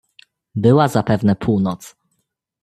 "Była zapewne północ."